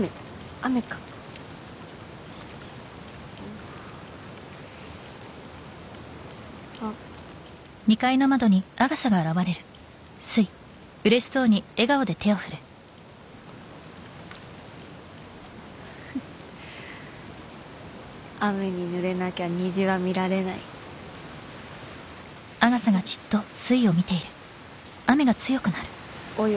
雨かあっ雨にぬれなきゃ虹は見られないおい